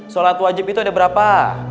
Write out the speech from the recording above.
sholat wajib itu ada berapa